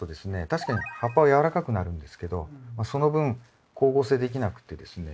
確かに葉っぱはやわらかくなるんですけどその分光合成できなくてですね